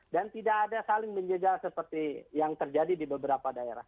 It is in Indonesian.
dan tidak ada saling menjaga seperti yang terjadi di beberapa daerah